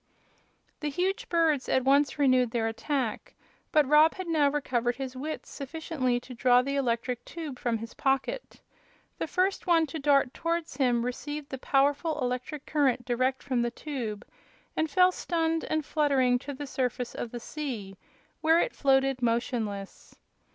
The huge birds at once renewed their attack, but Rob had now recovered his wits sufficiently to draw the electric tube from his pocket. The first one to dart towards him received the powerful electric current direct from the tube, and fell stunned and fluttering to the surface of the sea, where it floated motionless.